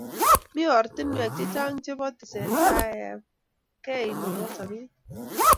Mii oratinwek che chang chebo tesetaet ab kei nebo sobet